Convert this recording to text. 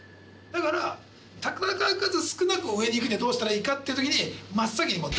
だから戦う数少なく上にいくにはどうしたらいいかっていう時に真っ先にもう。